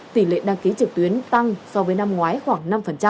tỷ lệ đăng ký trực tuyến tăng so với năm ngoái khoảng năm